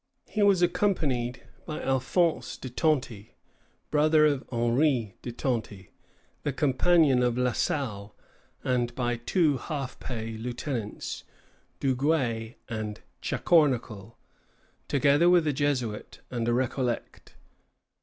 He was accompanied by Alphonse de Tonty, brother of Henri de Tonty, the companion of La Salle, and by two half pay lieutenants, Dugué and Chacornacle, together with a Jesuit and a Récollet.